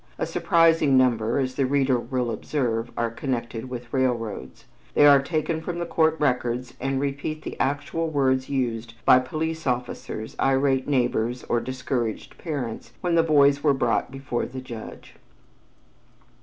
A surprising number, as the reader will observe, are connected with railroads. They are taken from the court records and repeat the actual words used by police officers, irate neighbors, or discouraged parents, when the boys were brought before the judge.